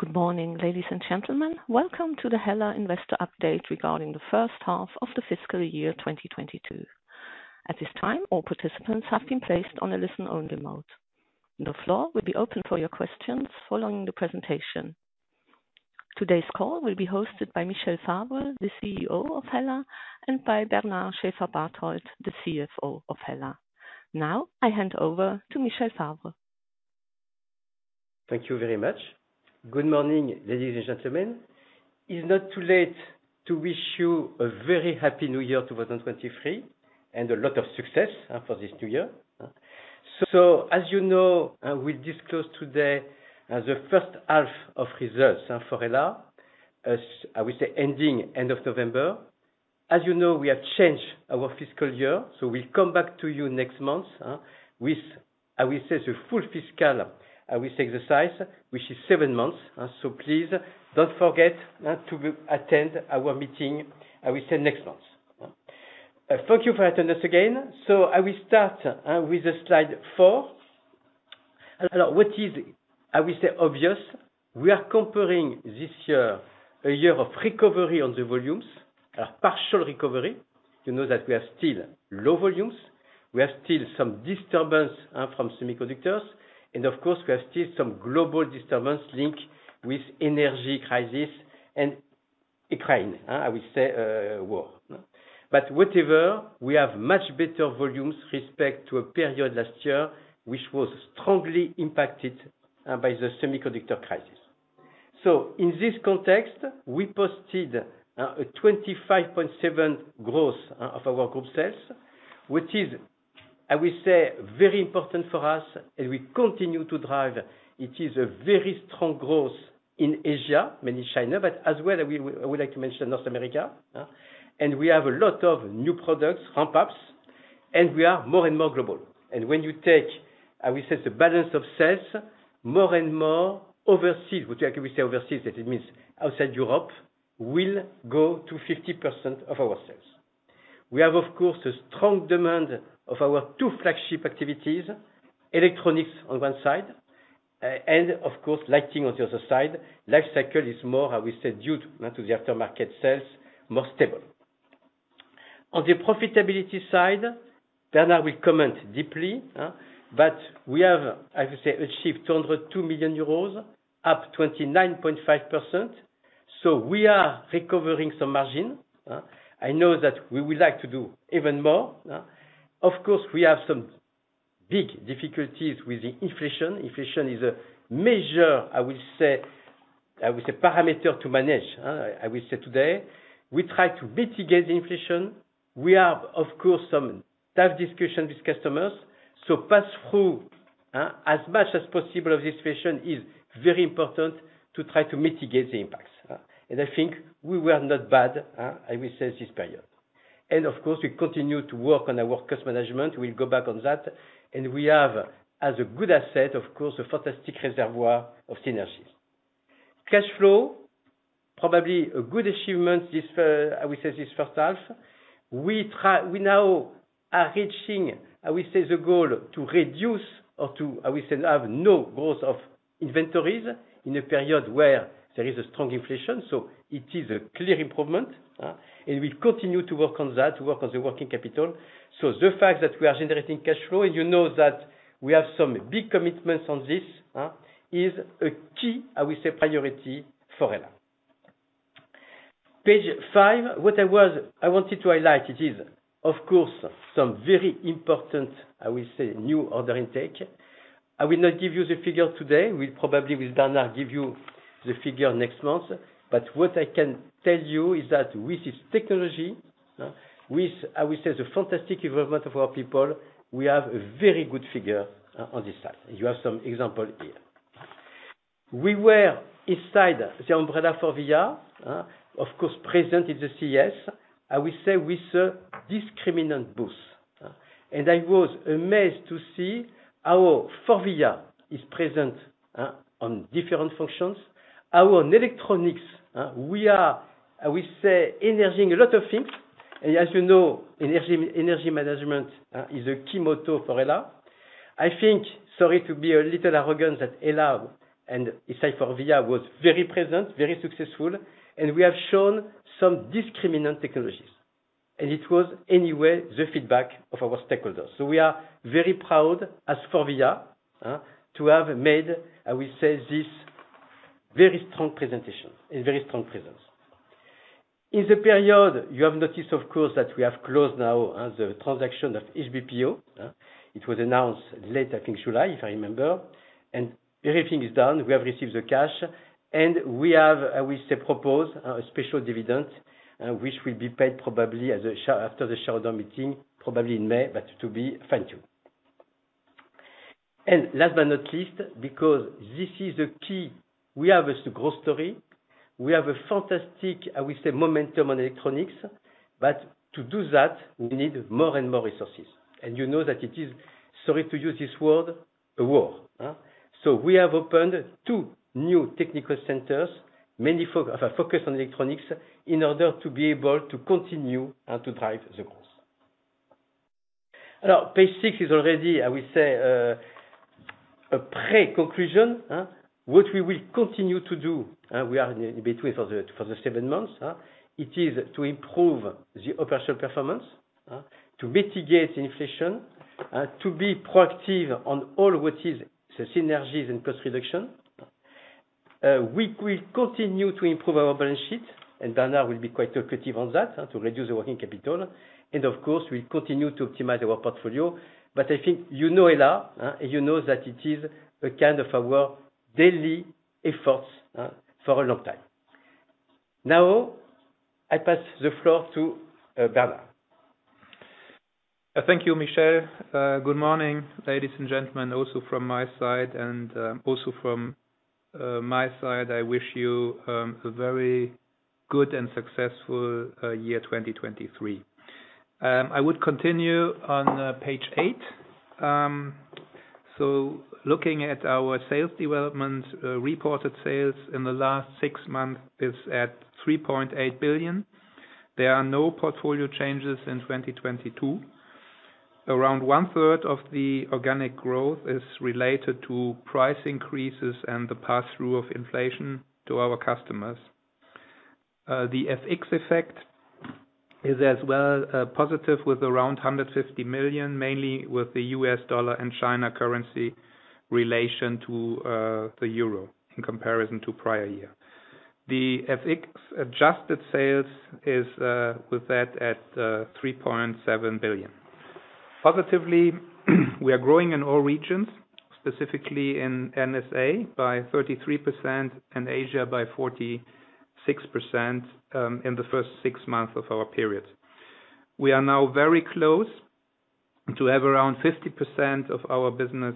Good morning, ladies and gentlemen. Welcome to the HELLA Investor Update regarding the first half of the fiscal year 2022. At this time, all participants have been placed on a listen-only mode. The floor will be open for your questions following the presentation. Today's call will be hosted by Michel Favre, the CEO of HELLA, and by Bernard Schäferbarthold, the CFO of HELLA. Now, I hand over to Michel Favre. Thank you very much. Good morning, ladies and gentlemen. It's not too late to wish you a very happy new year, 2023, and a lot of success for this new year. As you know, we disclose today as the first half of results for HELLA, as I will say, ending end of November. As you know, we have changed our fiscal year, we come back to you next month with, I will say, the full fiscal, we say the size, which is seven months. Please don't forget to attend our meeting, I will say next month. Thank you for attending us again. I will start with the slide four. Now, what is, I will say, obvious, we are comparing this year a year of recovery on the volumes. A partial recovery. You know that we are still low volumes. We are still some disturbance from semiconductors. Of course, we are still some global disturbance linked with energy crisis and Ukraine, I will say, war. Whatever, we have much better volumes respect to a period last year, which was strongly impacted by the semiconductor crisis. In this context, we posted a 25.7% growth of our group sales, which is, I will say, very important for us, and we continue to drive. It is a very strong growth in Asia, mainly China, but as well, we would like to mention North America. We have a lot of new products, ramp-ups, and we are more and more global. When you take, I will say, the balance of sales, more and more overseas, which we say overseas, that it means outside Europe, will go to 50% of our sales. We have, of course, a strong demand of our two flagship activities, electronics on one side, and of course, lighting on the other side. Lifecycle is more, how we say, due now to the aftermarket sales, more stable. On the profitability side, Bernard will comment deeply. We have, I would say, achieved 202 million euros, up 29.5%. We are recovering some margin. I know that we would like to do even more. Of course, we have some big difficulties with the inflation. Inflation is a measure, I will say parameter to manage, I will say today. We try to mitigate the inflation. We have, of course, some tough discussion with customers. Pass through as much as possible of this inflation is very important to try to mitigate the impacts. I think we were not bad, I will say this period. Of course we continue to work on our work cost management. We'll go back on that. We have as a good asset, of course, a fantastic reservoir of synergies. Cash flow, probably a good achievement this, I will say, this first half. We now are reaching, I will say, the goal to reduce or to, I will say, have no growth of inventories in a period where there is a strong inflation. It is a clear improvement, and we'll continue to work on that, to work on the working capital. The fact that we are generating cash flow, and you know that we have some big commitments on this, is a key, I will say, priority for HELLA. Page five. I wanted to highlight, it is of course some very important, I will say, new order intake. I will not give you the figure today. We'll probably with Bernard give you the figure next month. What I can tell you is that with this technology, with, I will say, the fantastic involvement of our people, we have a very good figure on this side. You have some example here. We were inside the umbrella FORVIA, of course present in the CES. I will say with a discriminant booth. I was amazed to see how FORVIA is present on different functions. Our electronics, we are, I will say, energizing a lot of things. As you know, energy management is a key motto for HELLA. I think, sorry to be a little arrogant that HELLA and inside FORVIA was very present, very successful, and we have shown some discriminant technologies. It was, anyway, the feedback of our stakeholders. We are very proud as FORVIA to have made, I will say, this very strong presentation and very strong presence. In the period, you have noticed, of course, that we have closed now the transaction of HBPO, it was announced late, I think July, if I remember. Everything is done. We have received the cash and we have, I will say, propose a special dividend, which will be paid probably after the shareholder meeting, probably in May, but to be fine-tuned. Last but not least, because this is the key, we have is the growth story. We have a fantastic, I would say, momentum on electronics. To do that, we need more and more resources. You know that it is, sorry to use this word, a war. We have opened two new technical centers, mainly focus on electronics, in order to be able to continue to drive the growth. Page six is already, I will say, a pre conclusion, which we will continue to do, we are in between for the, for the seven months, it is to improve the operational performance, to mitigate the inflation, to be proactive on all what is the synergies and cost reduction. We will continue to improve our balance sheet and Bernard will be quite talkative on that, to reduce the working capital. Of course, we'll continue to optimize our portfolio. I think, you know HELLA, you know that it is a kind of our daily efforts, for a long time. I pass the floor to, Bernard. Thank you, Michel. Good morning, ladies and gentlemen, also from my side and also from my side, I wish you a very good and successful year 2023. I would continue on page eight. Looking at our sales development, reported sales in the last six months is at 3.8 billion. There are no portfolio changes in 2022. Around one third of the organic growth is related to price increases and the pass through of inflation to our customers. The FX effect is as well positive with around 150 million, mainly with the US dollar and China currency relation to the euro in comparison to prior year. The FX adjusted sales is with that at 3.7 billion. Positively, we are growing in all regions, specifically in NSA by 33% and Asia by 46% in the first six months of our period. We are now very close to have around 50% of our business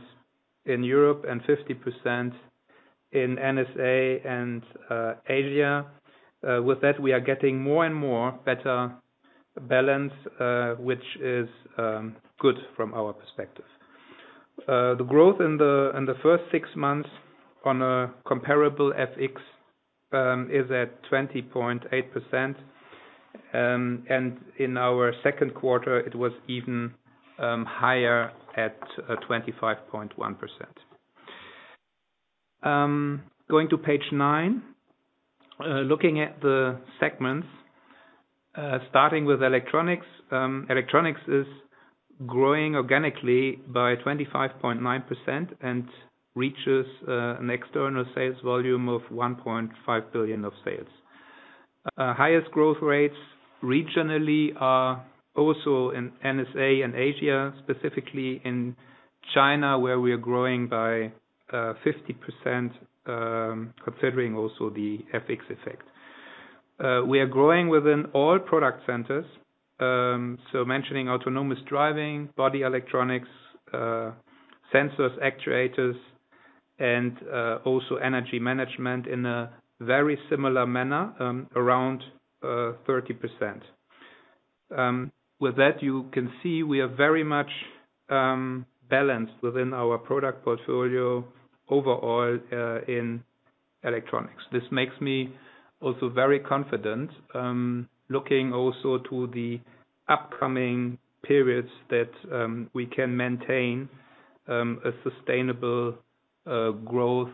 in Europe and 50% in NSA and Asia. With that, we are getting more and more better balance, which is good from our perspective. The growth in the first six months on a comparable FX is at 20.8%. In our second quarter, it was even higher at 25.1%. Going to page nine, looking at the segments, starting with electronics. Electronics is growing organically by 25.9% and reaches an external sales volume of 1.5 billion of sales. Highest growth rates regionally are also in NSA and Asia, specifically in China, where we are growing by 50%, considering also the FX effect. We are growing within all product centers. Mentioning autonomous driving, body electronics, sensors, actuators, and also energy management in a very similar manner, around 30%. With that, you can see we are very much balanced within our product portfolio overall in electronics. This makes me also very confident, looking also to the upcoming periods that we can maintain a sustainable growth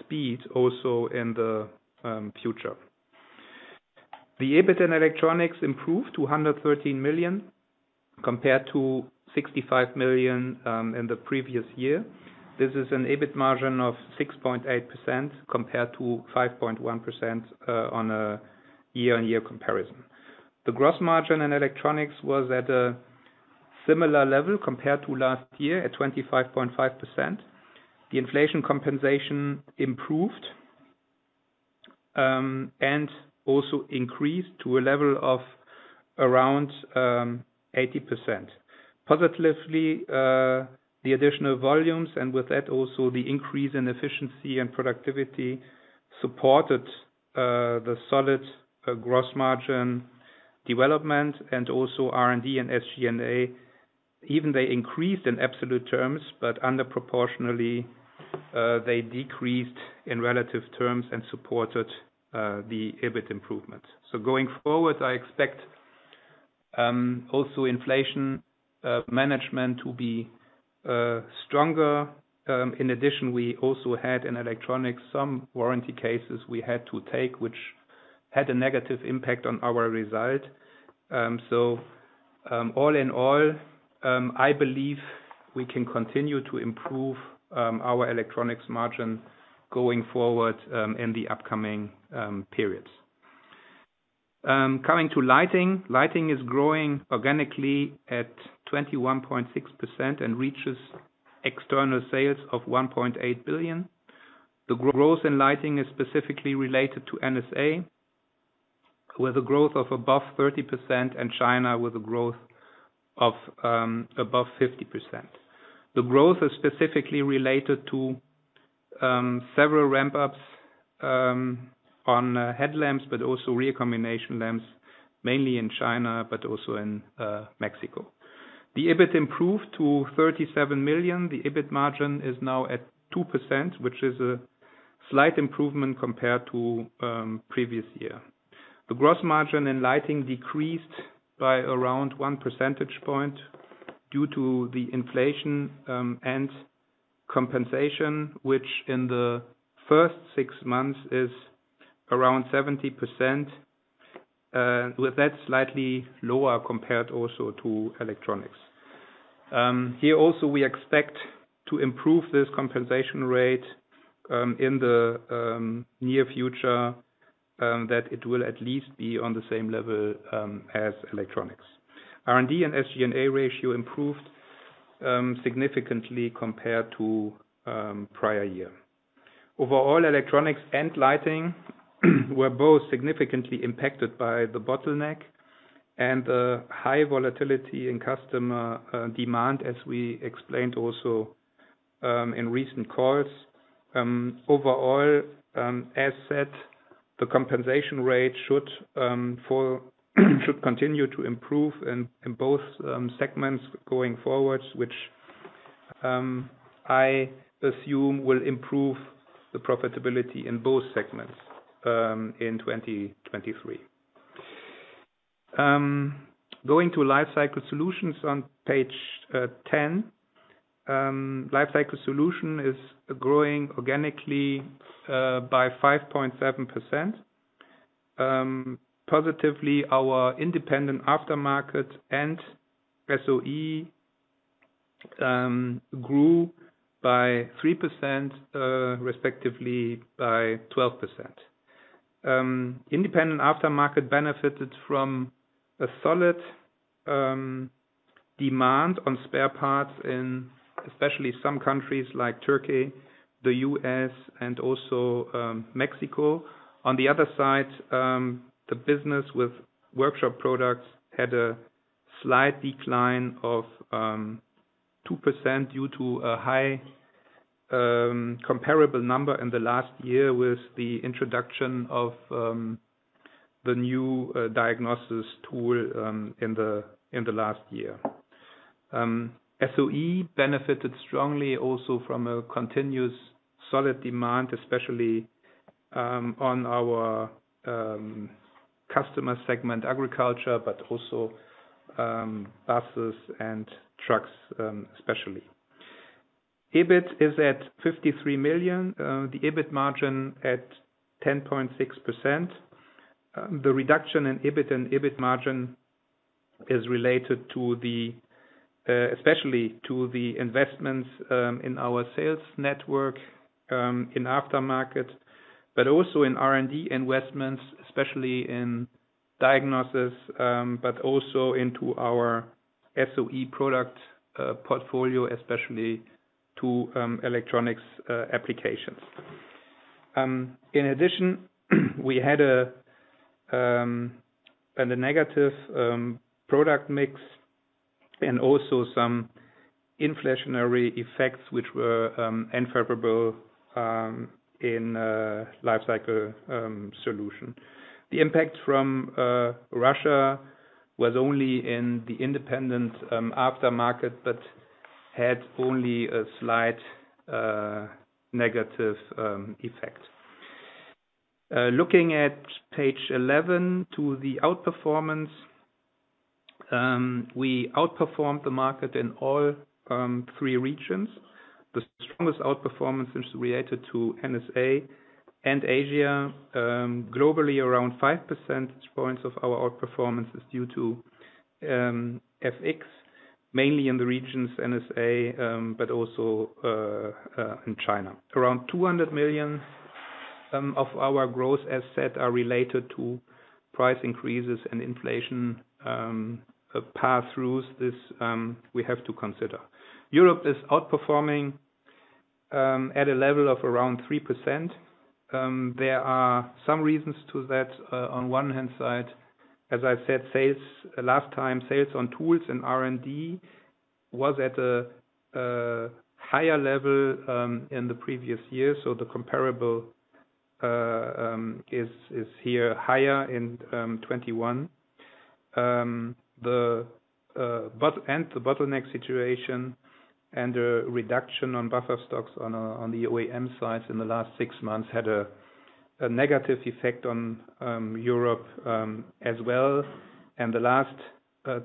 speed also in the future. The EBIT in electronics improved to 113 million compared to 65 million in the previous year. This is an EBIT margin of 6.8% compared to 5.1% on a year-on-year comparison. The gross margin in electronics was at a similar level compared to last year at 25.5%. The inflation compensation improved and also increased to a level of around 80%. Positively, the additional volumes, and with that also the increase in efficiency and productivity supported the solid gross margin development and also R&D and SG&A. Even they increased in absolute terms, but under proportionally, they decreased in relative terms and supported the EBIT improvements. Going forward, I expect also inflation management to be stronger. In addition, we also had in electronics some warranty cases we had to take, which had a negative impact on our result. All in all, I believe we can continue to improve our electronics margin going forward in the upcoming periods. Coming to lighting. Lighting is growing organically at 21.6% and reaches external sales of 1.8 billion. The growth in lighting is specifically related to NSA, with a growth of above 30% and China with a growth of above 50%. The growth is specifically related to several ramp-ups on headlamps, but also rear combination lamps, mainly in China but also in Mexico. The EBIT improved to 37 million. The EBIT margin is now at 2%, which is a slight improvement compared to previous year. The gross margin in lighting decreased by around one percentage point due to the inflation and compensation, which in the first six months is around 70%, with that slightly lower compared also to electronics. Here also we expect to improve this compensation rate in the near future that it will at least be on the same level as electronics. R&D and SG&A ratio improved significantly compared to prior year. Overall, electronics and lighting were both significantly impacted by the bottleneck and the high volatility in customer demand, as we explained also in recent calls. Overall, as said, the compensation rate should continue to improve in both segments going forward, which I assume will improve the profitability in both segments in 2023. Going to Lifecycle Solutions on page 10. Lifecycle Solutions is growing organically by 5.7%. Positively, our independent aftermarket and SOE grew by 3%, respectively by 12%. Independent Aftermarket benefited from a solid demand on spare parts in especially some countries like Turkey, the U.S., and also Mexico. The business with workshop products had a slight decline of 2% due to a high comparable number in the last year with the introduction of the new diagnosis tool in the last year. SOE benefited strongly also from a continuous solid demand, especially on our customer segment agriculture, also buses and trucks especially. EBIT is at 53 million, the EBIT margin at 10.6%. The reduction in EBIT and EBIT margin is related to the especially to the investments in our sales network in aftermarket, but also in R&D investments, especially in diagnosis, but also into our SOE product portfolio, especially to electronics applications. In addition, we had a and a negative product mix and also some inflationary effects which were unfavorable in Lifecycle Solutions. The impact from Russia was only in the independent aftermarket, but had only a slight negative effect. Looking at page 11 to the outperformance, we outperformed the market in all three regions. The strongest outperformance is related to NSA and Asia, globally around 5 percentage points of our outperformance is due to FX, mainly in the regions NSA, but also in China. Around 200 million of our growth as said, are related to price increases and inflation pass-throughs this we have to consider. Europe is outperforming at a level of around 3%, there are some reasons to that. On one hand side, as I said, sales last time, sales on tools and R&D was at a higher level in the previous year. The comparable is here higher in 2021. The bottleneck situation and the reduction on buffer stocks on the OEM side in the last six months had a negative effect on Europe as well. The last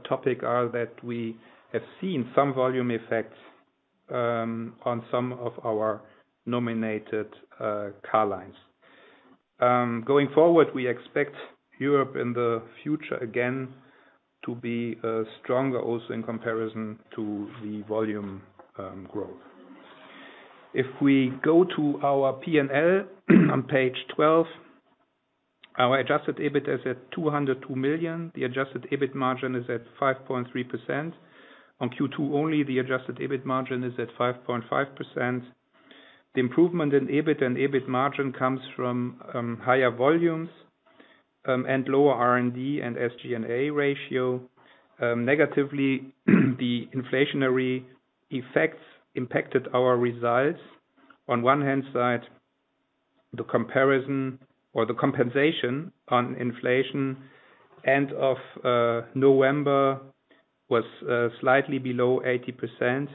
topic are that we have seen some volume effects on some of our nominated car lines. Going forward, we expect Europe in the future again, to be stronger also in comparison to the volume growth. If we go to our P&L on page 12, our adjusted EBIT is at 202 million. The adjusted EBIT margin is at 5.3%. On Q2 only, the adjusted EBIT margin is at 5.5%. The improvement in EBIT and EBIT margin comes from higher volumes and lower R&D and SG&A ratio. Negatively, the inflationary effects impacted our results. On one hand side, the comparison or the compensation on inflation end of November was slightly below 80%.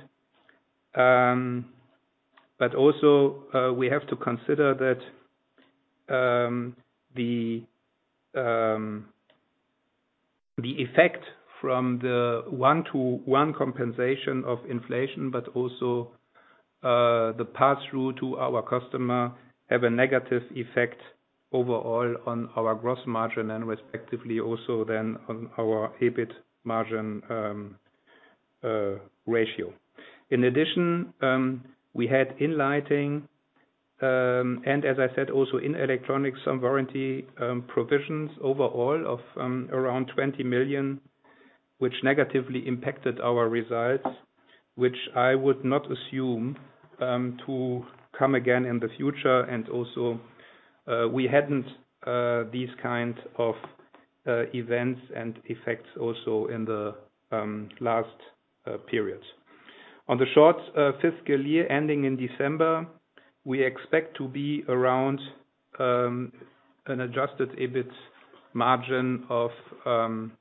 Also, we have to consider that the effect from the one-to-one compensation of inflation, but also, the path through to our customer have a negative effect overall on our gross margin and respectively also then on our EBIT margin ratio. In addition, we had in lighting, and as I said, also in electronics, some warranty provisions overall of around 20 million, which negatively impacted our results, which I would not assume to come again in the future. Also, we hadn't these kind of events and effects also in the last periods. On the short fiscal year ending in December, we expect to be around an adjusted EBIT margin of 5%.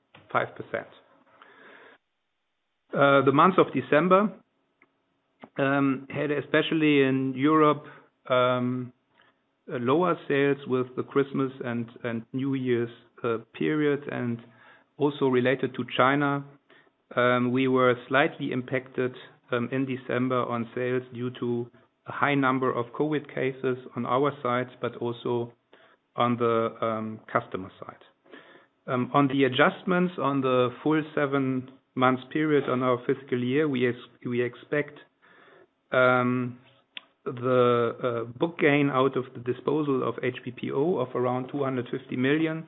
The month of December had especially in Europe lower sales with the Christmas and New Year's period. Also related to China, we were slightly impacted in December on sales due to a high number of COVID cases on our side, but also on the customer side. On the adjustments on the full seven months period on our fiscal year, we expect the book gain out of the disposal of HBPO of around 250 million.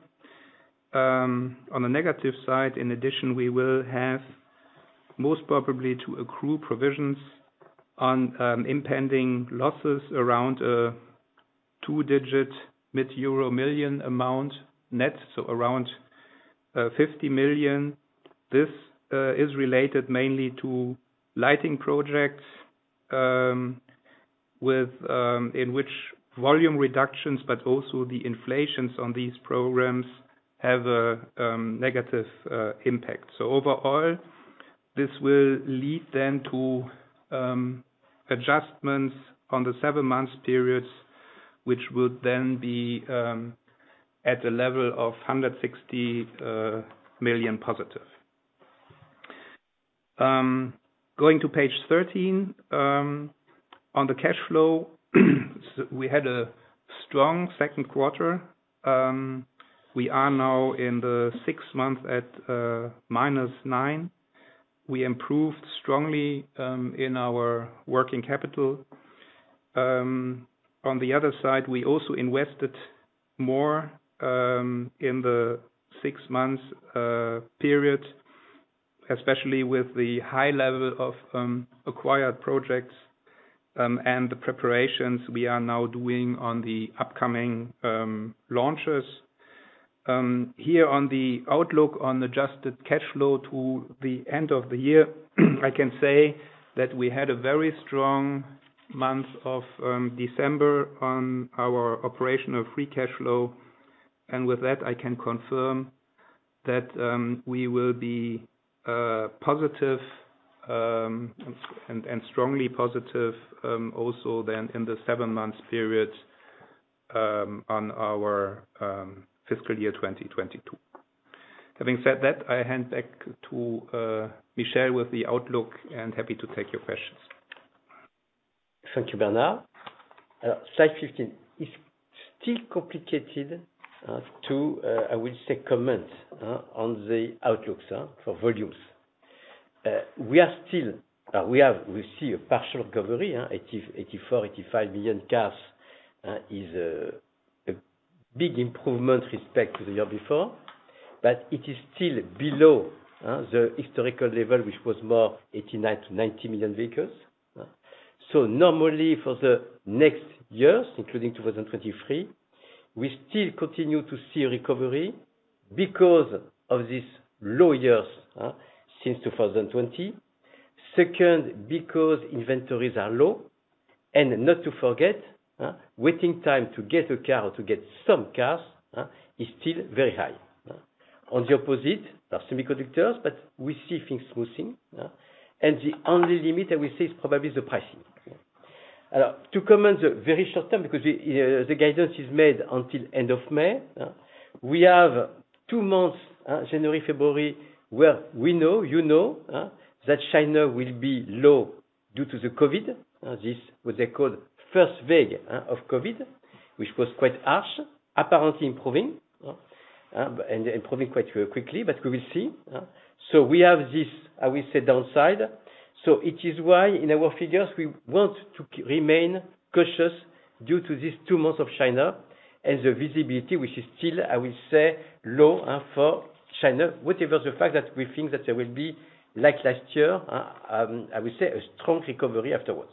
On the negative side, in addition, we will have most probably to accrue provisions on impending losses around two digit mid million amount net, so around 50 million. This is related mainly to lighting projects, with in which volume reductions, but also the inflations on these programs have a negative impact. Overall, this will lead then to adjustments on the seven months periods, which will then be at a level of 160 million positive. Going to page 13, on the cash flow, we had a strong second quarter. We are now in the six months at -9. We improved strongly in our working capital. On the other side, we also invested more in the six months period, especially with the high level of acquired projects, and the preparations we are now doing on the upcoming launches. Here on the outlook on adjusted cash flow to the end of the year, I can say that we had a very strong month of December on our operational free cash flow. With that, I can confirm that we will be positive, and strongly positive, also then in the seven months period, on our fiscal year 2022. Having said that, I hand back to Michel with the outlook and happy to take your questions. Thank you, Bernard. Slide 15 is still complicated to I will say comment on the outlooks for volumes. We see a partial recovery, 80, 84, 85 million cars is a big improvement respect to the year before, but it is still below the historical level which was more 89-90 million vehicles. Normally for the next years, including 2023, we still continue to see recovery because of these low years since 2020. Second, because inventories are low. Not to forget, waiting time to get a car or to get some cars is still very high. On the opposite, there are semiconductors, but we see things smoothing. The only limit I will say is probably the pricing. To comment the very short term because the guidance is made until end of May. We have two months, January, February, where we know, you know, that China will be low due to the COVID. This what they called first wave of COVID, which was quite harsh, apparently improving. Improving quite quickly, but we will see. We have this, I will say downside. It is why in our figures we want to remain cautious due to these two months of China and the visibility, which is still, I will say, low for China. Whatever the fact that we think that there will be like last year, I will say a strong recovery afterwards.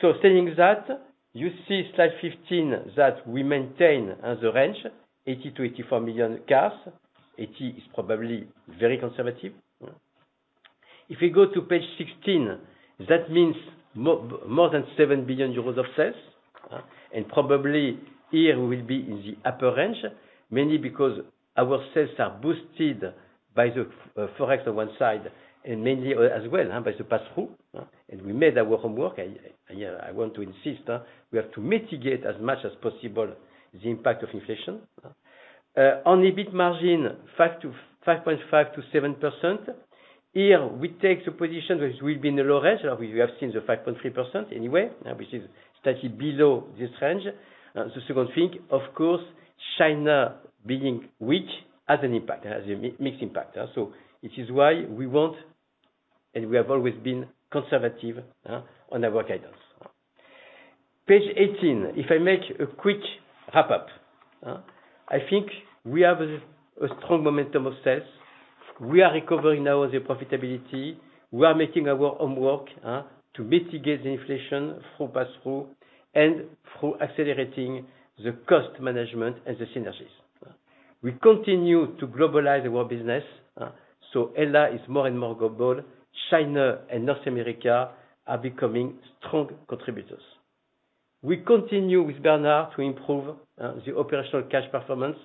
Saying that, you see slide 15 that we maintain as a range 80 million-84 million cars. 80 million is probably very conservative, huh? If you go to page 16, that means more than 7 billion euros of sales, and probably here will be in the upper range, mainly because our sales are boosted by the Forex on one side, and mainly as well by the pass-through, and we made our homework. I want to insist, we have to mitigate as much as possible the impact of inflation. On EBIT margin, 5.5%-7%. Here we take the position which will be in the low range. We have seen the 5.3% anyway, which is slightly below this range. The second thing, of course, China being weak has an impact, it has a mixed impact, which is why we want, and we have always been conservative, on our guidance. Page 18, if I make a quick wrap up, I think we have a strong momentum of sales. We are recovering now the profitability. We are making our homework to mitigate the inflation through pass-through and through accelerating the cost management and the synergies. We continue to globalize our business, HELLA is more and more global. China and North America are becoming strong contributors. We continue with Bernard to improve the operational cash performance.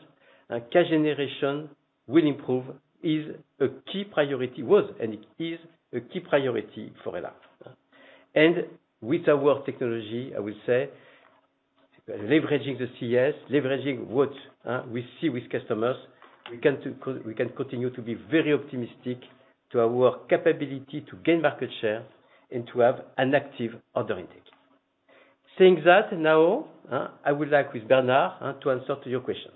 Cash generation will improve, is a key priority, was and it is a key priority for HELLA. With our technology, I will say, leveraging the CES, leveraging what we see with customers, we can continue to be very optimistic to our capability to gain market share and to have an active order intake. Saying that, now, I would like with Bernard Schäferbarthold to answer to your questions.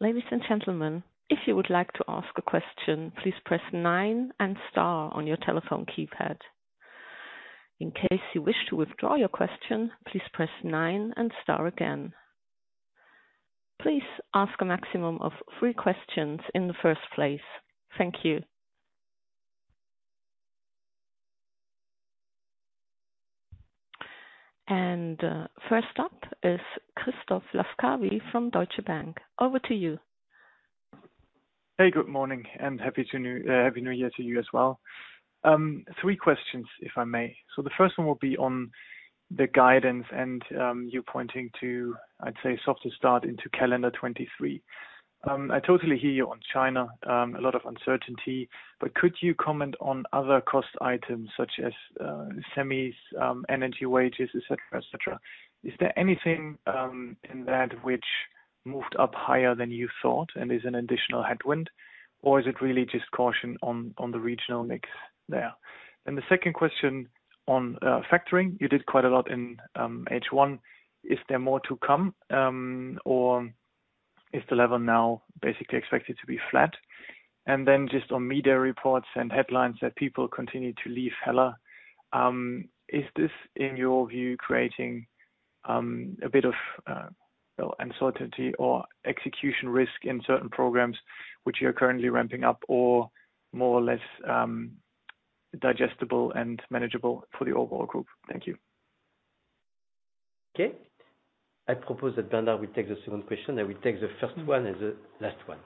Ladies and gentlemen, if you would like to ask a question, please press nine and star on your telephone keypad. In case you wish to withdraw your question, please press nine and star again. Please ask a maximum of three questions in the first place. Thank you. First up is Christoph Laskawi from Deutsche Bank. Over to you. Hey, good morning, and happy new year to you as well. Three questions if I may. The first one will be on the guidance and you pointing to, I'd say, softer start into calendar 23. I totally hear you on China, a lot of uncertainty, but could you comment on other cost items such as semis, energy wages, et cetera, et cetera? Is there anything in that which moved up higher than you thought and is an additional headwind, or is it really just caution on the regional mix there? The second question on factoring. You did quite a lot in H1. Is there more to come, or is the level now basically expected to be flat? Just on media reports and headlines that people continue to leave HELLA, is this, in your view, creating, a bit of, well, uncertainty or execution risk in certain programs which you're currently ramping up, or more or less, digestible and manageable for the overall group? Thank you. Okay. I propose that Bernard will take the second question, and will take the first one and the last one.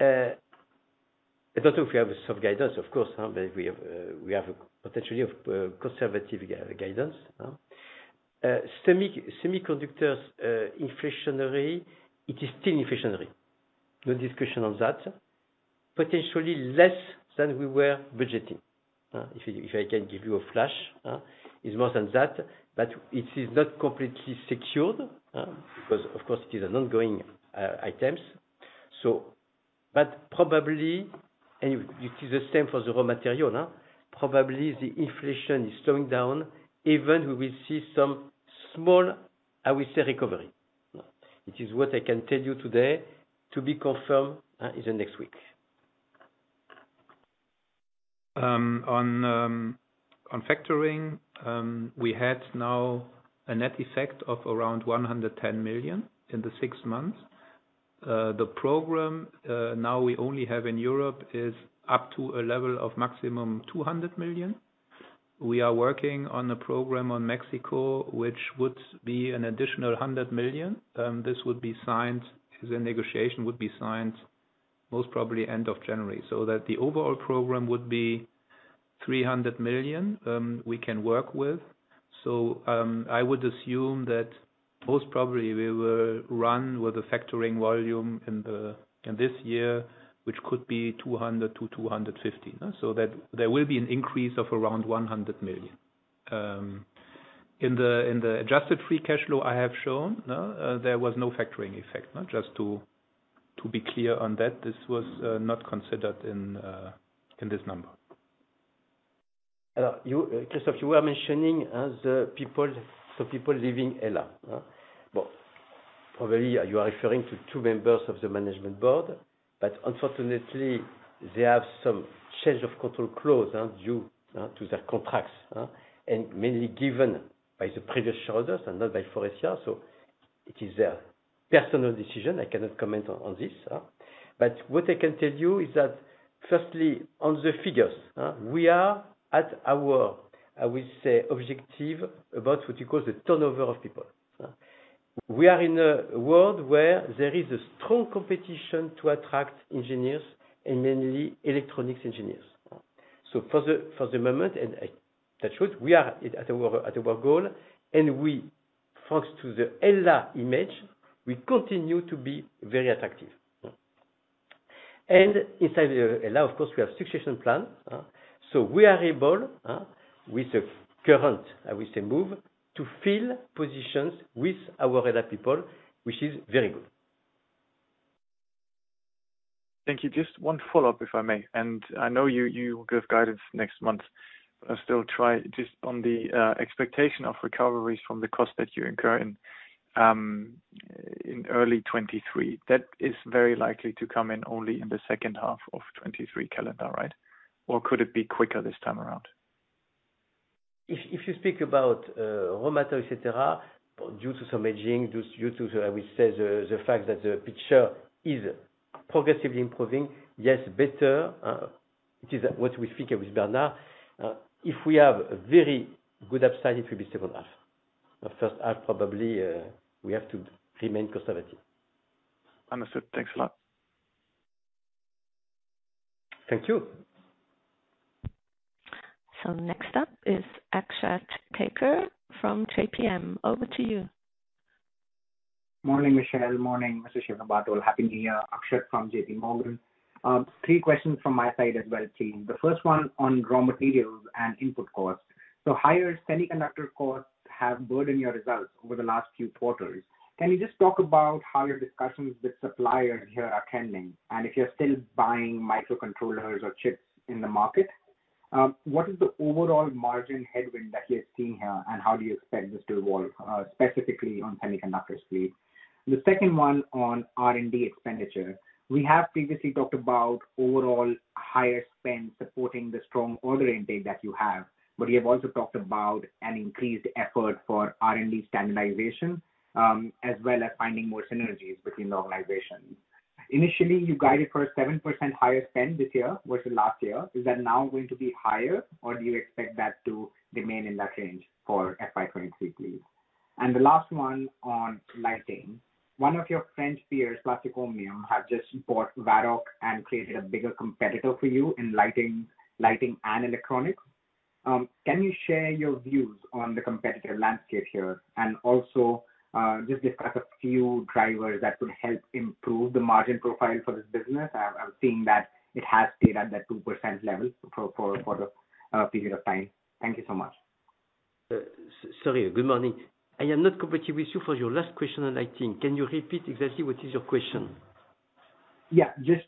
I don't know if you have a soft guidance, of course, but we have a potentially of conservative guidance. Semiconductors, inflationary, it is still inflationary. No discussion on that. Potentially less than we were budgeting, if I can give you a flash, is more than that, but it is not completely secured, because of course it is an ongoing items. Probably, and it is the same for the raw material, probably the inflation is slowing down. Even we will see some small, I would say, recovery. It is what I can tell you today, to be confirmed in the next week. On factoring, we had now a net effect of around 110 million in the 6 months. The program now we only have in Europe is up to a level of maximum 200 million. We are working on a program on Mexico, which would be an additional 100 million. This would be signed, the negotiation would be signed most probably end of January, so that the overall program would be 300 million, we can work with. I would assume that most probably we will run with the factoring volume in this year, which could be 200 million-250 million, so that there will be an increase of around 100 million. In the adjusted free cash flow I have shown, there was no factoring effect. Just to be clear on that, this was not considered in this number. Christoph, you were mentioning as the people, some people leaving HELLA. Probably you are referring to two members of the management board. Unfortunately, they have some change of control clause due to their contracts and mainly given by the previous shareholders and not by Faurecia, it is their personal decision. I cannot comment on this. What I can tell you is that. Firstly, on the figures, we are at our, I will say, objective about what you call the turnover of people. We are in a world where there is a strong competition to attract engineers and mainly electronics engineers. For the moment, and that's true, we are at our goal and we thanks to the HELLA image, we continue to be very attractive. Inside HELLA, of course, we have succession plan. We are able with the current, I would say, move to fill positions with our HELLA people, which is very good. Thank you. Just one follow-up, if I may. I know you give guidance next month. I'll still try just on the expectation of recoveries from the cost that you incur in early 2023. That is very likely to come in only in the second half of 2023 calendar, right? Could it be quicker this time around? If you speak about raw material, et cetera, due to some aging, due to, I will say, the fact that the picture is progressively improving. Yes, better, it is what we think with Bernard. If we have a very good upside, it will be second half. The first half, probably, we have to remain conservative. Understood. Thanks a lot. Thank you. Next up is Akshat Kacker from JPM. Over to you. Morning, Michel. Morning, Schäferbarthold. Happy New Year. Akshat from JPMorgan. Three questions from my side as well, please. The first one on raw materials and input costs. Higher semiconductor costs have burdened your results over the last few quarters. Can you just talk about how your discussions with suppliers here are handling, and if you're still buying microcontrollers or chips in the market? What is the overall margin headwind that you're seeing here, and how do you expect this to evolve specifically on semiconductor space? The second one on R&D expenditure. We have previously talked about overall higher spend supporting the strong order intake that you have. You have also talked about an increased effort for R&D standardization, as well as finding more synergies between the organizations. Initially, you guided for a 7% higher spend this year versus last year. Is that now going to be higher, or do you expect that to remain in that range for FY 2023, please? The last one on lighting. One of your French peers, Plastic Omnium, have just bought Varroc and created a bigger competitor for you in lighting and electronics. Can you share your views on the competitive landscape here? Also, just discuss a few drivers that could help improve the margin profile for this business. I'm seeing that it has stayed at that 2% level for the period of time. Thank you so much. Sorry, good morning. I am not completely with you for your last question on lighting. Can you repeat exactly what is your question? Yeah. Just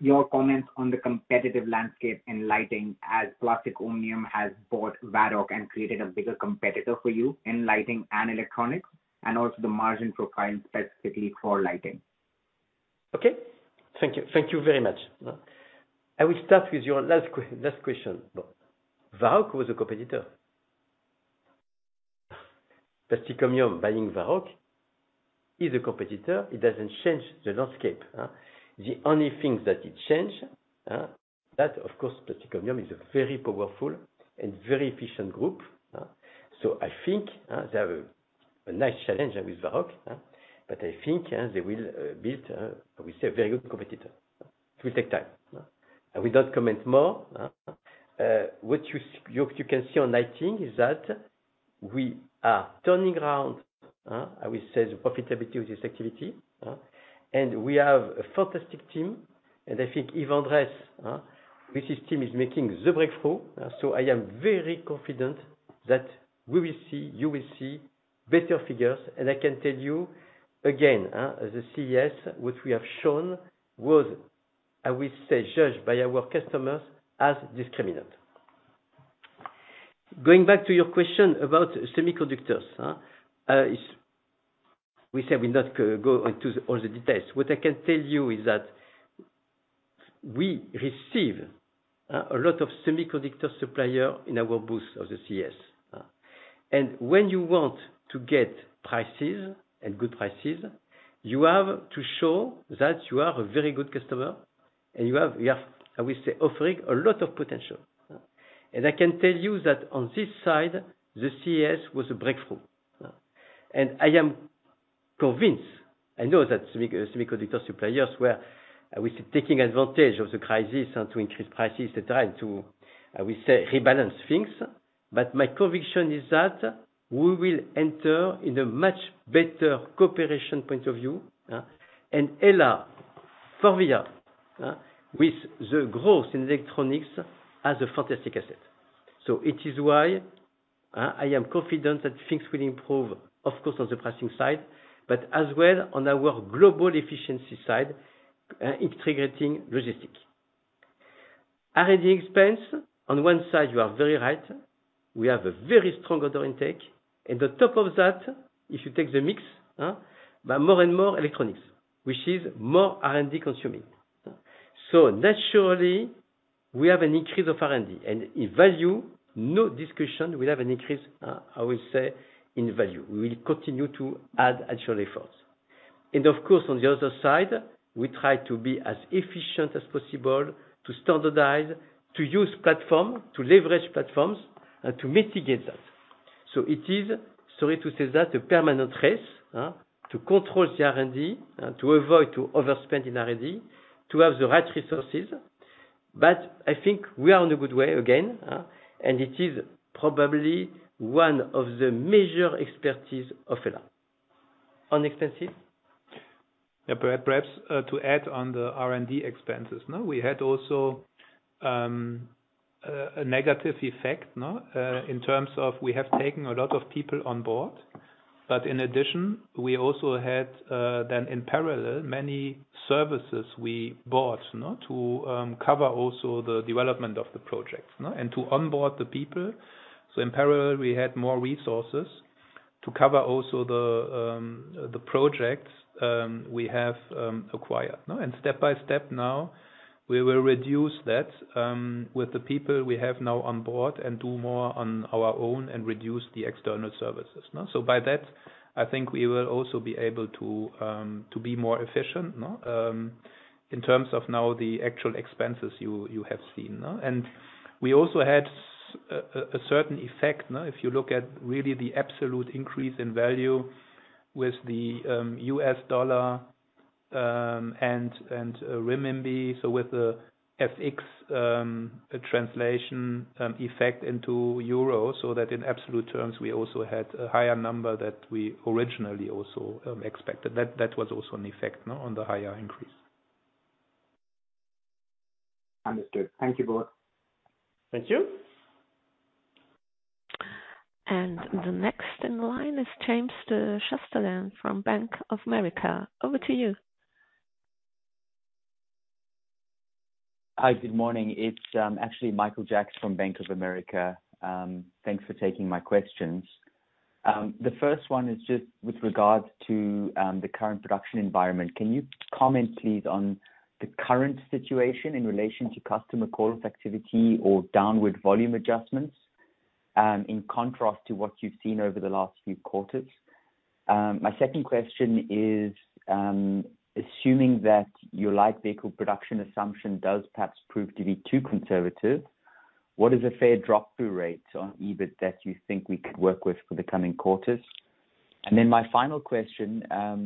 your comments on the competitive landscape in lighting as Plastic Omnium has bought Varroc and created a bigger competitor for you in lighting and electronics, and also the margin profile specifically for lighting? Okay. Thank you. Thank Thank you very much. I will start with your last question. Varroc was a competitor. Plastic Omnium buying Varroc is a competitor. It doesn't change the landscape. The only thing that it change that of course, Plastic Omnium is a very powerful and very efficient group. I think they have a nice challenge with Varroc, but I think they will build we say very good competitor. It will take time. I will not comment more. What you can see on lighting is that we are turning around I will say the profitability of this activity, and we have a fantastic team and I think Yves Andres with his team is making the breakthrough. I am very confident that we will see, you will see better figures. I can tell you again, the CES, what we have shown was, I will say, judged by our customers as discriminant. Going back to your question about semiconductors, is we say we not go into all the details. What I can tell you is that we receive a lot of semiconductor supplier in our booth of the CES. When you want to get prices and good prices, you have to show that you are a very good customer and you have, I would say, offering a lot of potential. I can tell you that on this side, the CES was a breakthrough. I am convinced, I know that semiconductor suppliers were, I would say, taking advantage of the crisis and to increase prices, et cetera, and to, I would say, rebalance things. My conviction is that we will enter in a much better cooperation point of view, and HELLA, FORVIA, with the growth in electronics as a fantastic asset. It is why I am confident that things will improve, of course, on the pricing side, but as well on our global efficiency side, integrating logistics. R&D expense, on one side, you are very right. We have a very strong order intake. The top of that, if you take the mix, by more and more electronics, which is more R&D consuming. Naturally, we have an increase of R&D. In value, no discussion, we have an increase, I will say, in value. We will continue to add actual efforts. Of course, on the other side, we try to be as efficient as possible to standardize, to use platform, to leverage platforms and to mitigate that. It is, sorry to say that, a permanent race to control the R&D and to avoid to overspend in R&D, to have the right resources. I think we are on a good way again, and it is probably one of the major expertise of HELLA. On expenses? Perhaps, to add on the R&D expenses, no? We had also a negative effect, no, in terms of we have taken a lot of people on board, but in addition, we also had then in parallel many services we bought, you know, to cover also the development of the projects, no? To onboard the people. In parallel, we had more resources to cover also the projects we have acquired, no? Step by step now we will reduce that with the people we have now on board and do more on our own and reduce the external services, no? By that, I think we will also be able to be more efficient, no, in terms of now the actual expenses you have seen, no? We also had a certain effect, no, if you look at really the absolute increase in value with the US dollar and renminbi, so with the FX translation effect into EUR, so that in absolute terms, we also had a higher number that we originally also expected. That was also an effect, no, on the higher increase. Understood. Thank you both. Thank you. The next in line is James Schuster from Bank of America. Over to you. Hi. Good morning. It's actually Michael Jacks from Bank of America. Thanks for taking my questions. The first one is just with regards to the current production environment. Can you comment please on the current situation in relation to customer call activity or downward volume adjustments, in contrast to what you've seen over the last few quarters? My second question is, assuming that your light vehicle production assumption does perhaps prove to be too conservative, what is a fair drop through rate on EBIT that you think we could work with for the coming quarters? My final question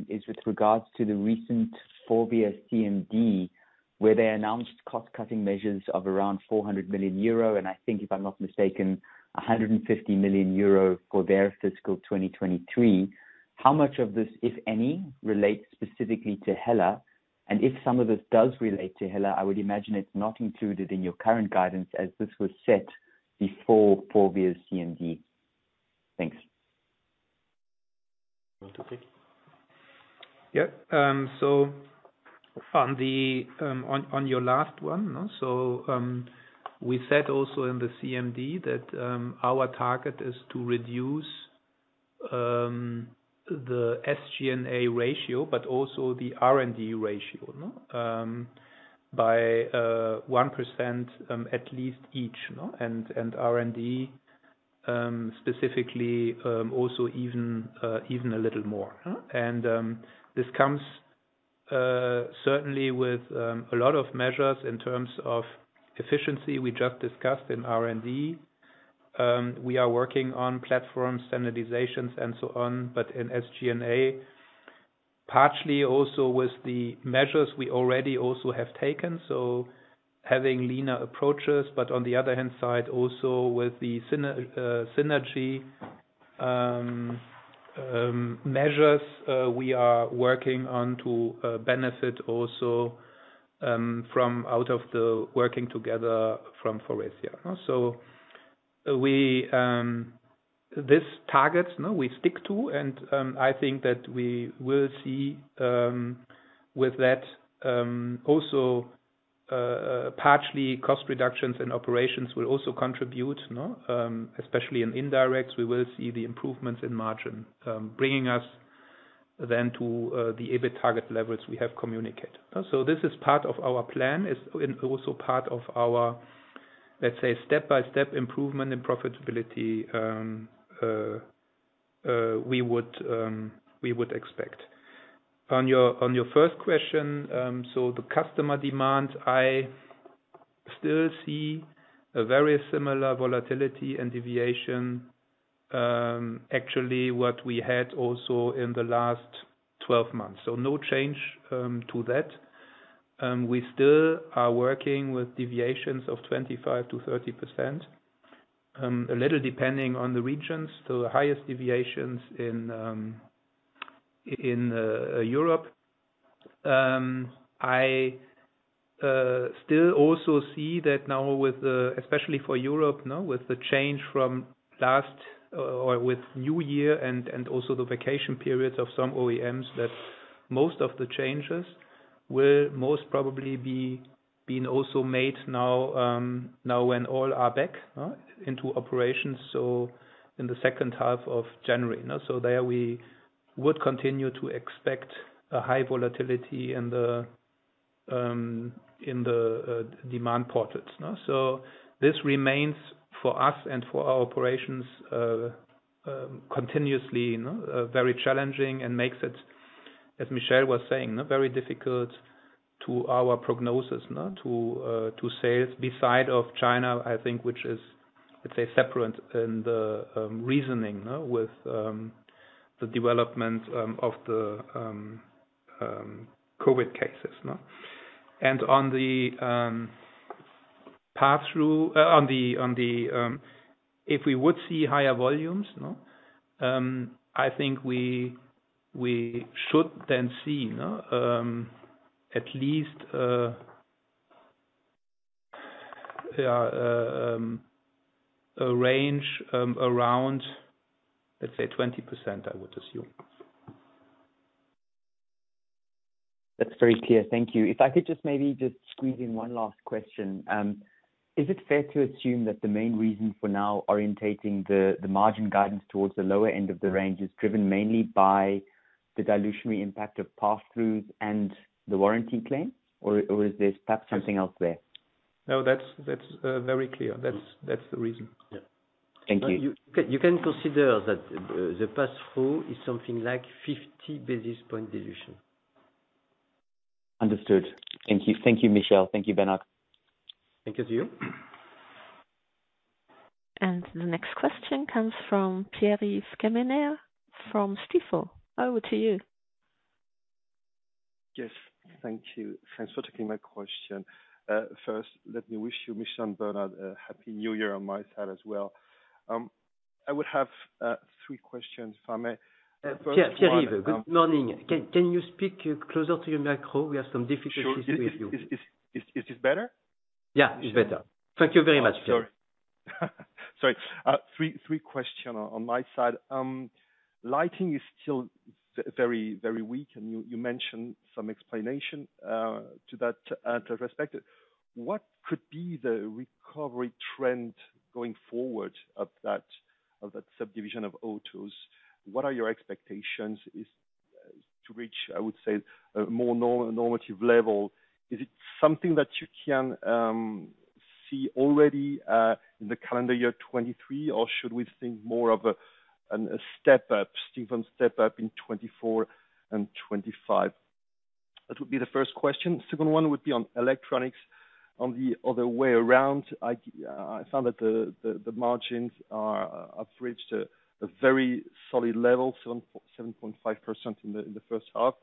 is with regards to the recent FORVIA CMD, where they announced cost cutting measures of around 400 million euro, and I think if I'm not mistaken, 150 million euro for their fiscal 2023. How much of this, if any, relates specifically to HELLA? If some of this does relate to HELLA, I would imagine it's not included in your current guidance as this was set before FORVIA CMD. Thanks. You want to take? Yep. On your last one, we said also in the CMD that our target is to reduce the SG&A ratio, but also the R&D ratio, no, by 1% at least each, no? R&D specifically also even a little more. This comes certainly with a lot of measures in terms of efficiency we just discussed in R&D. We are working on platform standardizations and so on. In SG&A, partially also with the measures we already also have taken, so having leaner approaches, but on the other hand side also with the synergy measures we are working on to benefit also from out of the working together from FORVIA. We, this target, we stick to and I think that we will see, with that, also partially cost reductions and operations will also contribute. Especially in indirect, we will see the improvements in margin, bringing us then to the EBIT target levels we have communicated. This is part of our plan, is also part of our, let's say, step-by-step improvement in profitability, we would expect. On your first question, the customer demand, I still see a very similar volatility and deviation, actually what we had also in the last 12 months. No change to that. We still are working with deviations of 25%-30%, a little depending on the regions, highest deviations in Europe. I still also see that now with especially for Europe, no, with the change from last or with new year and also the vacation periods of some OEMs, that most of the changes will most probably be, being also made now when all are back into operations, so in the second half of January, no. There we would continue to expect a high volatility in the demand portals, you know. This remains for us and for our operations continuously, you know, very challenging and makes it, as Michel was saying, very difficult to our prognosis, you know, to sales. Beside of China, I think, which is, let's say, separate in the reasoning, you know, with the development of the COVID cases, no. On the pass-through, on the if we would see higher volumes, no, I think we should then see, you know, at least, yeah, a range, around, let's say, 20%, I would assume. That's very clear. Thank you. If I could just maybe just squeeze in one last question. Is it fair to assume that the main reason for now orientating the margin guidance towards the lower end of the range is driven mainly by the dilutionary impact of pass-throughs and the warranty claim, or is there perhaps something else there? No, that's very clear. That's the reason. Thank you. You can consider that the pass-through is something like 50 basis point dilution. Understood. Thank you. Thank you, Michel. Thank you, Bernard. Thank you. The next question comes from Pierre-Yves Quemener from Stifel. Over to you. Yes, thank you. Thanks for taking my question. First let me wish you, Michel and Bernard, a happy New Year on my side as well. I would have three questions if I may. Pierre-Yves, good morning. Can you speak closer to your micro? We have some difficulties with you. Sure. Is this better? Yeah, it's better. Thank you very much, sir. Sorry. Three question on my side. Lighting is still very weak, and you mentioned some explanation to that to respect it. What could be the recovery trend going forward of that subdivision of Autos? What are your expectations is to reach, I would say a more normative level? Is it something that you can see already in the calendar year 2023, or should we think more of a step up, steep and step up in 2024 and 2025? That would be the first question. Second one would be on Electronics on the other way around. I found that the margins have reached a very solid level, 7.5% in the first half.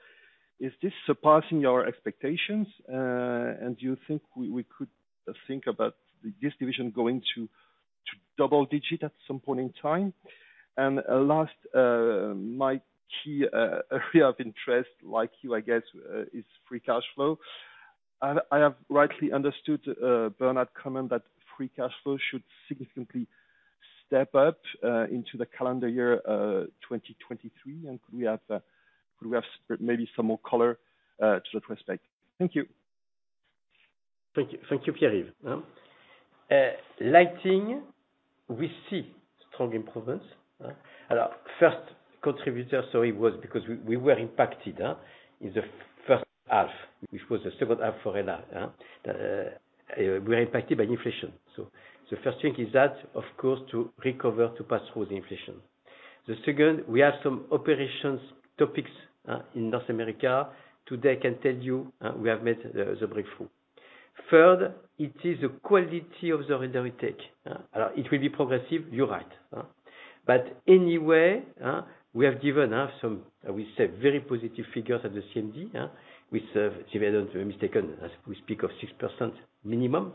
Is this surpassing your expectations? Do you think we could think about this division going to double digit at some point in time? Last, my key area of interest, like you, I guess, is free cash flow. Have I rightly understood Bernard comment that free cash flow should significantly step up into the calendar year 2023? Could we have maybe some more color to that respect? Thank you. Thank you. Thank you, Pierre-Yves. Lighting, we see strong improvements, and our first contributor, sorry, was because we were impacted in the first half, which was the second half for that, we were impacted by inflation. First thing is that, of course, to recover, to pass through the inflation. Second, we have some operations topics in North America. Today, I can tell you, we have made the breakthrough. Third, it is the quality of the inaudible take. It will be progressive, you're right, anyway, we have given some, we say, very positive figures at the CMD, which if I not mistaken, as we speak of 6% minimum,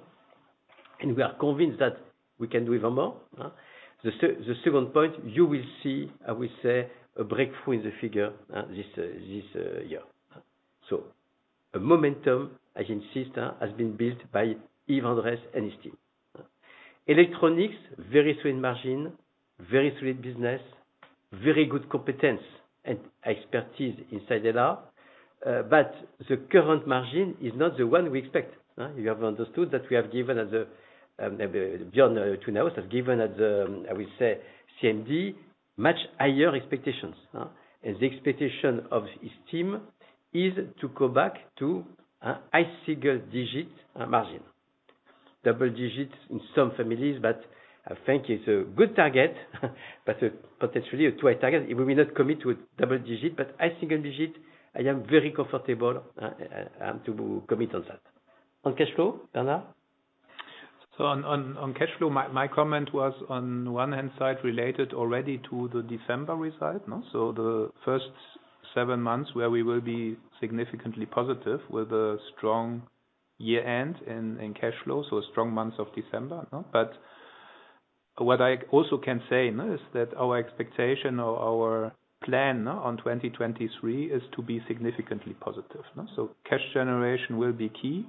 and we are convinced that we can do even more. The second point, you will see, I will say, a breakthrough in the figure, this year. The momentum, I can say, has been built by Yves Andres and his team. Electronics, very sweet margin, very sweet business, very good competence and expertise inside HELLA. The current margin is not the one we expect. You have understood that we have given at the, beyond two years, have given at the, I will say CMD, much higher expectations. The expectation of his team is to go back to a high single-digit margin. Double-digits in some families, I think it's a good target, but potentially a tight target. We may not commit to double-digit, but high single-digit, I am very comfortable to commit on that. On cash flow, Bernard? On cash flow, my comment was on one hand side related already to the December result. The first seven months where we will be significantly positive with a strong year end in cash flow, strong months of December, you know. What I also can say, you know, is that our expectation or our plan on 2023 is to be significantly positive. Cash generation will be key.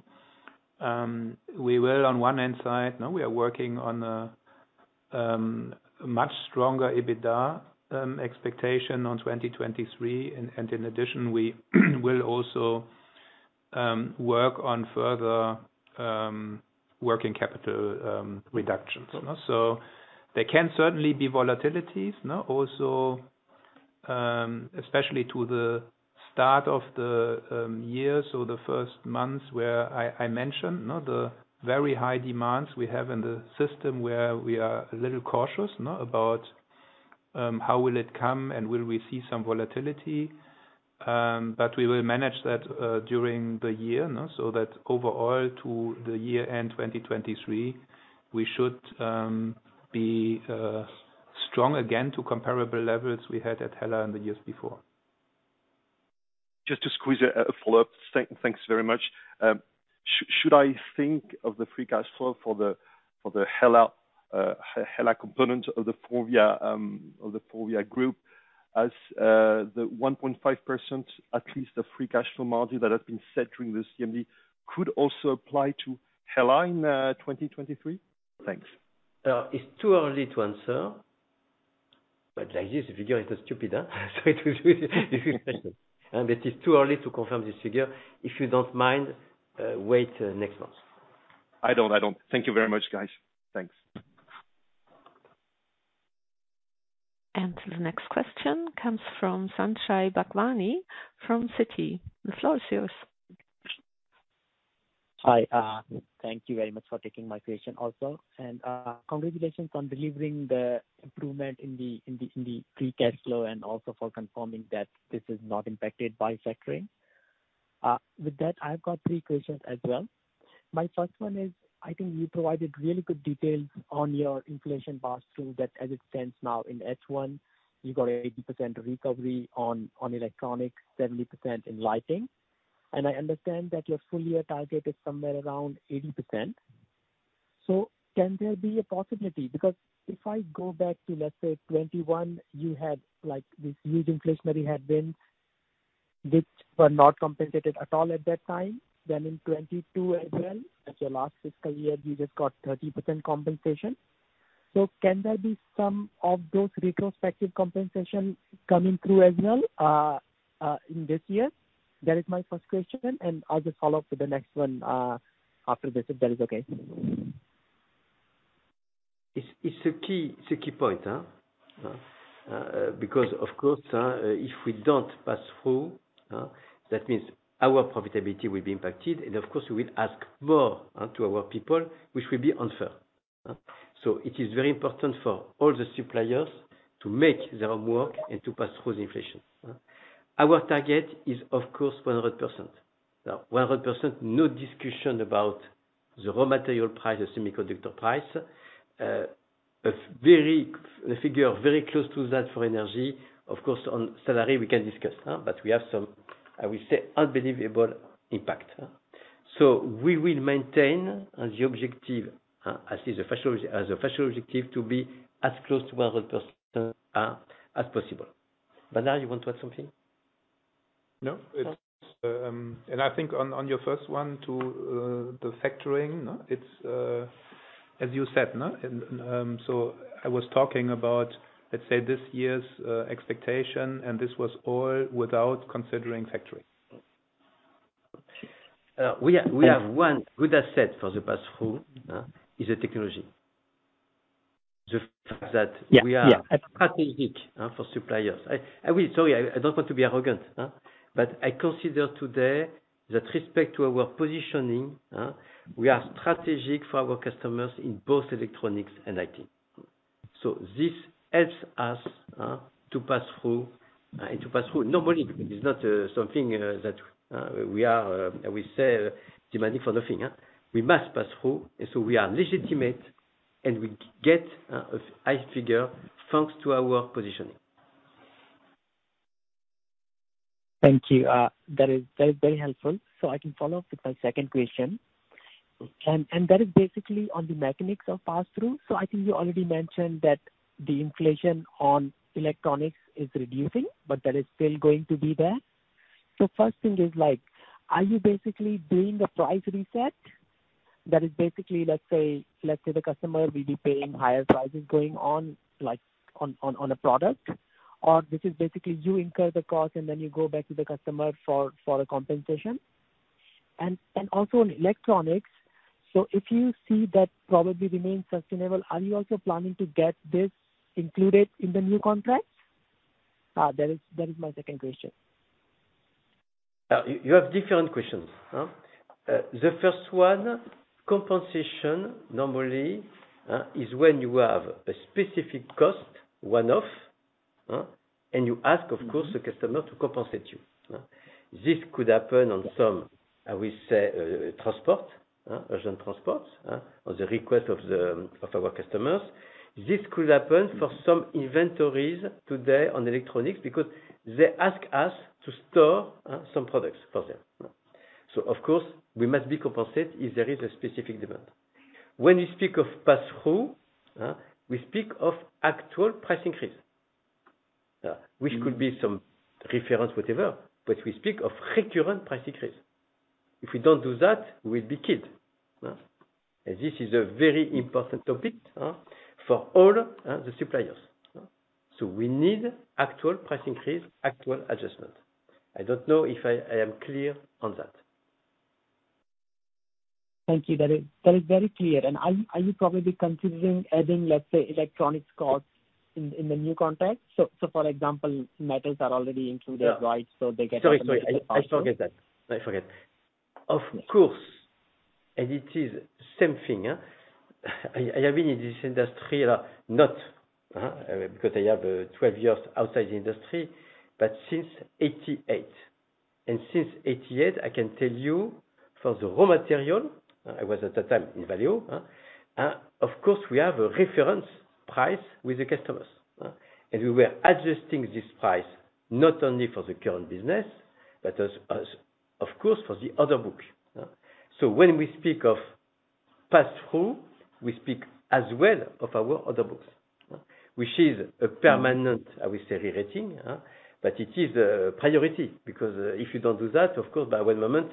We will on one hand side, you know, we are working on a much stronger EBITDA expectation on 2023. In addition, we will also work on further working capital reductions. There can certainly be volatilities, you know, also especially to the start of the year, so the first months where I mention, you know, the very high demands we have in the system, where we are a little cautious now about how will it come and will we see some volatility. We will manage that during the year, you know, so that overall to the year-end 2023, we should be strong again to comparable levels we had at HELLA in the years before. Just to squeeze a follow-up. Thanks very much. Should I think of the free cash flow for the HELLA component of the FORVIA, of the FORVIA group as the 1.5%, at least the free cash flow margin that has been set during the CMD could also apply to HELLA in 2023? Thanks. It's too early to answer, but like this figure, it's stupid, huh? It is too early to confirm this figure. If you don't mind, wait, next month. I don't. Thank you very much, guys. Thanks. The next question comes from Sanjay Bhagwani from Citi. The floor is yours. Hi. Thank you very much for taking my question also. Congratulations on delivering the improvement in the free cash flow, and also for confirming that this is not impacted by factoring. With that, I've got three questions as well. My first one is, I think you provided really good details on your inflation pass through that as it stands now in H1, you've got 80% recovery on electronics, 30% in lighting. I understand that your full year target is somewhere around 80%. Can there be a possibility? Because if I go back to, let's say, 2021, you had like this huge inflationary headwind, which were not compensated at all at that time. In 2022 as well, that's your last fiscal year, you just got 30% compensation. Can there be some of those retrospective compensation coming through as well in this year? That is my first question, and I'll just follow up with the next one after this, if that is okay. It's a key point, huh? Because of course, if we don't pass through, huh, that means our profitability will be impacted, and of course, we will ask more to our people, which will be unfair. It is very important for all the suppliers to make their own work and to pass through the inflation. Our target is of course 100%. Now, 100%, no discussion about the raw material price, the semiconductor price, the figure very close to that for energy. Of course, on salary we can discuss, huh, but we have some, I would say, unbelievable impact. We will maintain the objective as is, as a fashion objective, to be as close to 100% as possible. Bernard, you want to add something? No. I think on your first one to the factoring, it's, as you said, I was talking about, let's say this year's expectation, and this was all without considering factoring. We have one good asset for the pass through, is the technology. Yeah. Yeah. We are strategic for suppliers. Sorry, I don't want to be arrogant, but I consider today that respect to our positioning, we are strategic for our customers in both electronics and IT. This helps us to pass through and to pass through. Nobody, it's not something that we are, we say demanding for nothing. We must pass through. We are legitimate, and we get a high figure thanks to our positioning. Thank you. That is, that is very helpful. I can follow up with my second question. That is basically on the mechanics of pass through. I think you already mentioned that the inflation on electronics is reducing, but that is still going to be there. First thing is like, are you basically doing a price reset that is basically, let's say, the customer will be paying higher prices going on, like, on a product, or this is basically you incur the cost and then you go back to the customer for a compensation? Also on electronics, if you see that probably remains sustainable, are you also planning to get this included in the new contracts? That is, that is my second question. You have different questions. The first one, compensation normally, is when you have a specific cost, one-off, and you ask of course the customer to compensate you. This could happen on some, I will say, transport, urgent transports, on the request of the, of our customers. This could happen for some inventories today on electronics because they ask us to store, some products for them. Of course we must be compensated if there is a specific demand. When we speak of pass through, we speak of actual price increase, which could be some reference, whatever. We speak of frequent price increase. If we don't do that, we'll be killed. This is a very important topic, for all, the suppliers. We need actual price increase, actual adjustment. I don't know if I am clear on that. Thank you. That is very clear. Are you probably considering adding, let's say, electronics costs in the new contract? For example, metals are already included. Yeah. Right? Sorry. I forget that. I forget. Of course. It is same thing. I have been in this industry, not because I have 12 years outside the industry, but since 1988. Since 1988, I can tell you for the raw material, I was at the time in Valeo, of course we have a reference price with the customers. We were adjusting this price not only for the current business, but as of course, for the other book. When we speak of pass-through, we speak as well of our other books. Which is a permanent, I would say, rating, but it is a priority because if you don't do that, of course by one moment,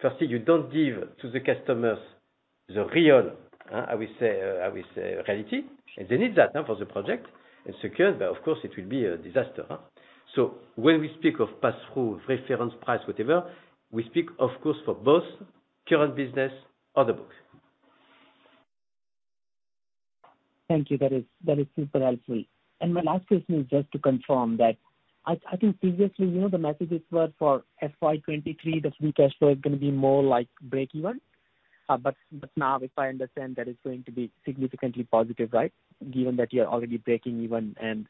firstly, you don't give to the customers the real, I would say reality. They need that for the project. It's secure, but of course it will be a disaster. When we speak of pass-through reference price, whatever, we speak of course for both current business, other books. Thank you. That is super helpful. My last question is just to confirm that I think previously, you know, the messages were for FY 2023, the free cash flow is gonna be more like breakeven. Now if I understand, that is going to be significantly positive, right? Given that you're already breaking even and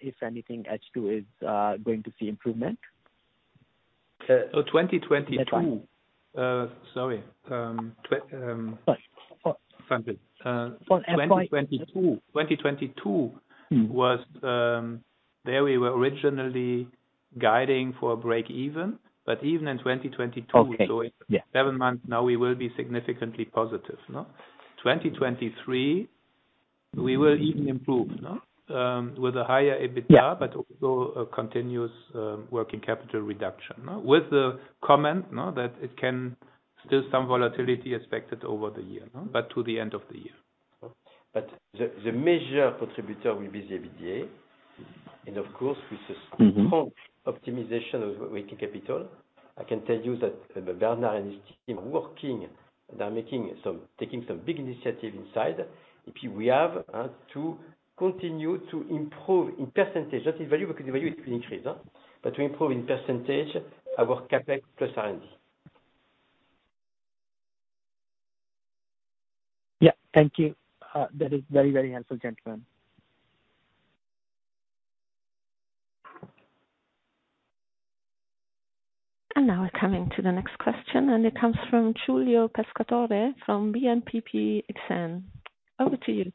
if anything, H2 is going to see improvement. Oh, 2022. That's right. Sorry. For, for- Found it. For FY- 2022. Mm. Was, there we were originally guiding for a break even, but even in 2022. Okay. Yeah. Seven months now we will be significantly positive, no? 2023 we will even improve, no? with a higher EBITDA. Yeah. Also a continuous working capital reduction with the comment, that it can still some volatility expected over the year, no? To the end of the year. The major contributor will be the EBITDA. Mm-hmm. Strong optimization of working capital, I can tell you that Bernard and his team are working, they're taking some big initiative inside. If we have to continue to improve in percentage, not in value, because in value it will increase. To improve in percentage our CapEx plus R&D. Yeah. Thank you. That is very, very helpful, gentlemen. Now we're coming to the next question, and it comes from Giulio Pescatore, from BNP Paribas Exane. Over to you.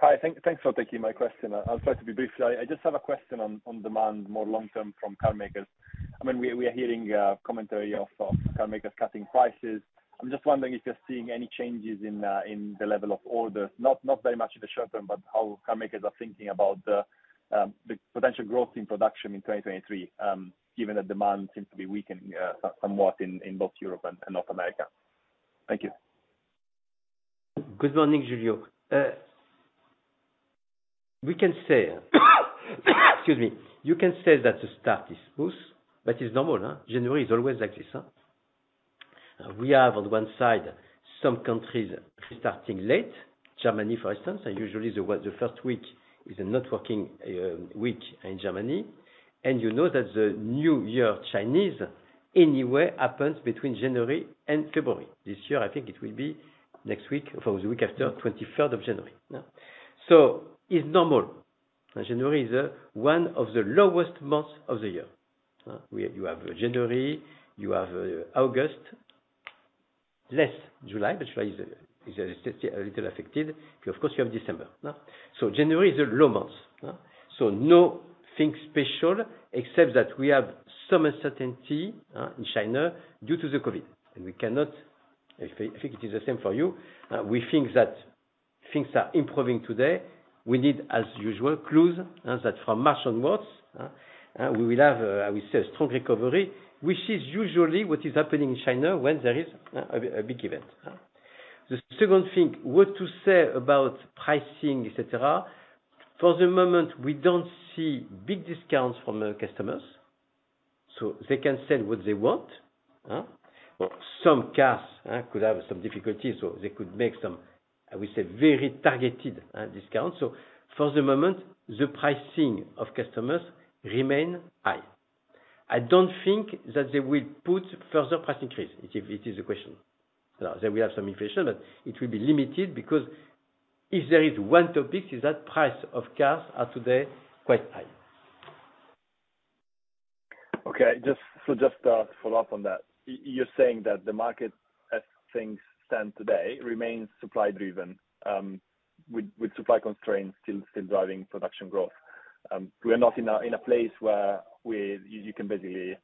Hi. Thanks for taking my question. I'll try to be briefly. I just have a question on demand, more long term from car makers. I mean, we are hearing commentary of car makers cutting prices. I'm just wondering if you're seeing any changes in the level of orders, not very much in the short term, but how car makers are thinking about the potential growth in production in 2023, given the demand seems to be weakening somewhat in both Europe and North America. Thank you. Good morning, Julio. we can say, excuse me. You can say that the start is smooth, but it's normal, huh. January is always like this. We have on one side some countries starting late, Germany for instance, and usually the first week is a not working week in Germany. you know that the new year Chinese, anyway happens between January and February. This year I think it will be next week for the week after 23rd of January. No? it's normal. January is one of the lowest months of the year. you have January, you have August, less July, but July is a little affected. Of course, you have December. No? January is the low month. nothing special except that we have some uncertainty in China due to the COVID. we cannot... If it is the same for you, we think that things are improving today. We need, as usual, clues that from March onwards we will have a, I would say a strong recovery, which is usually what is happening in China when there is a big event. The second thing, what to say about pricing, et cetera. For the moment, we don't see big discounts from our customers, so they can sell what they want. Some cars could have some difficulties, so they could make some, I would say, very targeted discounts. For the moment, the pricing of customers remain high. I don't think that they will put further price increase, if it is a question. They will have some inflation, but it will be limited because if there is one topic, is that price of cars are today quite high. Just to follow up on that, you're saying that the market as things stand today, remains supply driven, with supply constraints still driving production growth. We are not in a place where you can basically,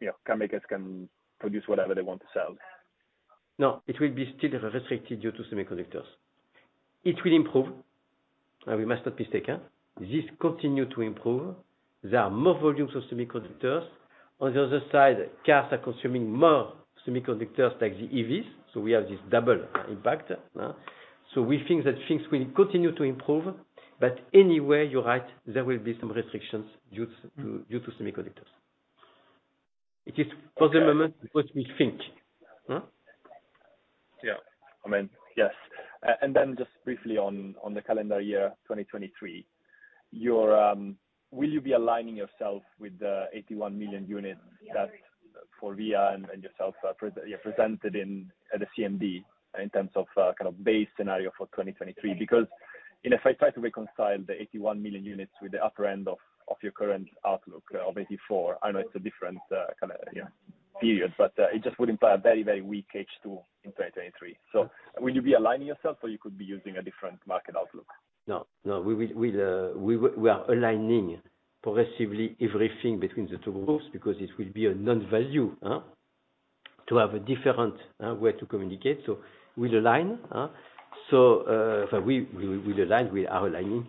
you know, car makers can produce whatever they want to sell. No, it will be still restricted due to semiconductors. It will improve. We must not be mistaken. This continue to improve. There are more volumes of semiconductors. On the other side, cars are consuming more semiconductors like the EVs, so we have this double impact. We think that things will continue to improve. Anyway, you're right, there will be some restrictions due to, due to semiconductors. It is for the moment what we think. Hmm? Yeah. I mean, yes. And then just briefly on the calendar year 2023. Will you be aligning yourself with the 81 million units that FORVIA and yourself presented in at the CMD in terms of kind of base scenario for 2023? Because, you know, if I try to reconcile the 81 million units with the upper end of your current outlook of 84, I know it's a different, kind of, you know, period, but it just would imply a very, very weak H2 in 2023. Will you be aligning yourself, or you could be using a different market outlook? No, no, we are aligning progressively everything between the two groups because it will be a non-value to have a different way to communicate. We'll align. We align. We are aligning.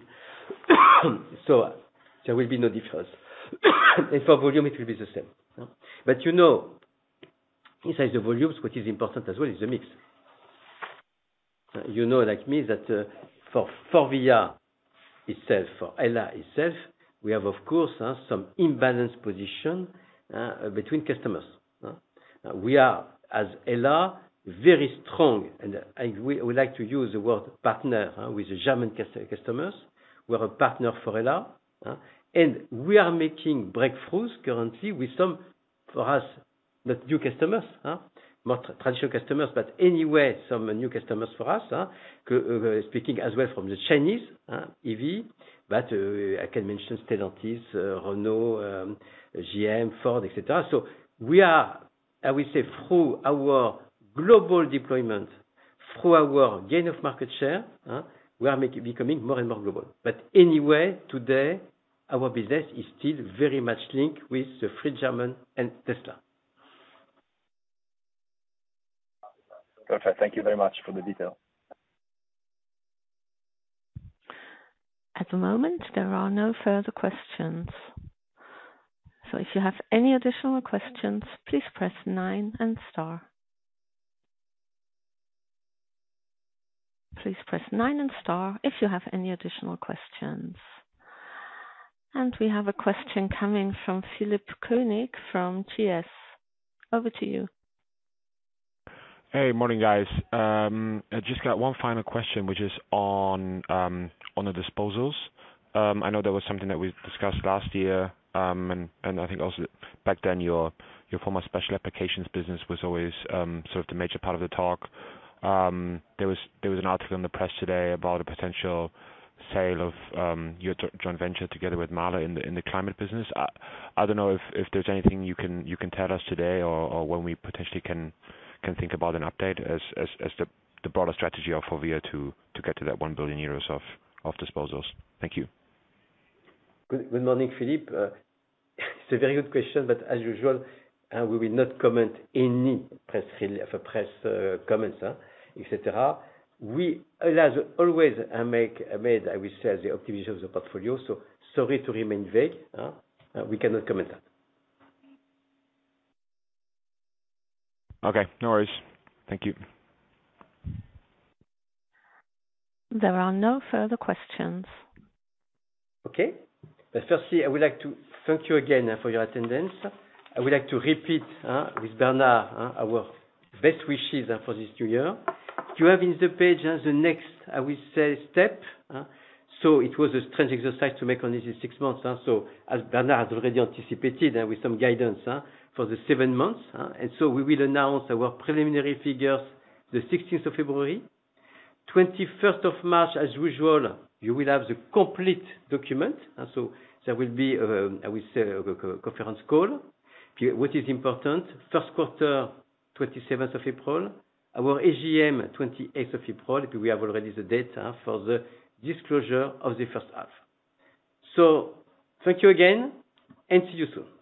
There will be no difference. For volume it will be the same. You know, besides the volumes, what is important as well is the mix. You know, like me, that for FORVIA itself, for HELLA itself, we have of course some imbalance position between customers. We are, as HELLA, very strong, and I would like to use the word partner with the German customers. We're a partner for HELLA. We are making breakthroughs currently with some, for us, but new customers. Not traditional customers, but anyway, some new customers for us. Speaking as well from the Chinese EV, but, I can mention Stellantis, Renault, GM, Ford, et cetera. We are, I would say, through our global deployment, through our gain of market share, huh, we are becoming more and more global. Anyway, today, our business is still very much linked with the free German and Tesla. Perfect. Thank you very much for the detail. At the moment, there are no further questions. If you have any additional questions, please press nine and star. Please press nine and star if you have any additional questions. We have a question coming from Philipp Koenig from GS. Over to you. Hey. Morning, guys. I just got one final question, which is on the disposals. I know that was something that we discussed last year, and I think also back then, your former Special Applications business was always, sort of the major part of the talk. There was an article in the press today about a potential sale of your joint venture together with Mahle in the, in the climate business. I don't know if there's anything you can tell us today or when we potentially can think about an update as the broader strategy of FORVIA to get to that 1 billion euros of disposals. Thank you. Good morning, Philipp. It's a very good question, as usual, we will not comment any press release for press comments, et cetera. We, as always, I will say, the optimization of the portfolio. Sorry to remain vague. We cannot comment that. Okay, no worries. Thank you. There are no further questions. Okay. Firstly, I would like to thank you again for your attendance. I would like to repeat with Bernard our best wishes for this new year. You have in the page as the next, I will say, step. It was a strange exercise to make only these six months, as Bernard has already anticipated with some guidance for the seven months. We will announce our preliminary figures the 16th of February. 21st of March as usual, you will have the complete document. There will be, I will say, a conference call. What is important, first quarter, 27th of April. Our AGM, 28th of April. We have already the date for the disclosure of the first half. Thank you again and see you soon.